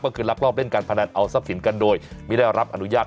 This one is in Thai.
ก็คือลักลอบเล่นการพนันเอาทรัพย์สินกันโดยไม่ได้รับอนุญาต